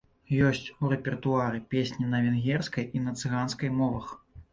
Ёсць у рэпертуары песні на венгерскай і на цыганскай мовах.